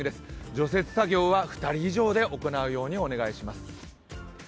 除雪作業は２人以上で行うようにお願いします。